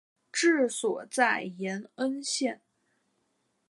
治所在延恩县。